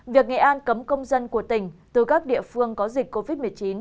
việc nghệ an cấm công dân của tỉnh từ các địa phương có dịch covid một mươi chín